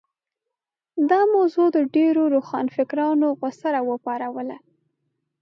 دا موضوع د ډېرو روښانفکرانو غوسه راوپاروله.